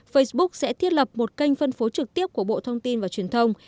facebook sẽ thiết lập một kênh phân phối trực tiếp của bộ thông tin và truyền thông